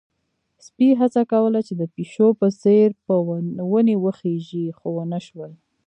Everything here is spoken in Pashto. سپی هڅه کوله چې د پيشو په څېر په ونې وخيژي، خو ونه شول.